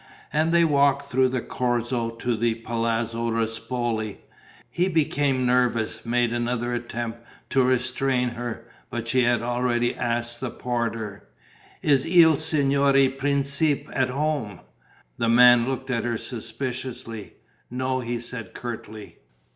And they walked through the Corso to the Palazzo Ruspoli. He became nervous, made another attempt to restrain her; but she had already asked the porter: "Is il signore principe at home?" The man looked at her suspiciously: "No," he said, curtly.